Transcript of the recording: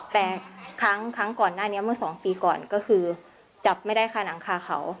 แต่ครั้งก่อนหน้านี้เมื่อ๒ปีก่อนก็คือจับไม่ได้ค่ะหนังคาเขา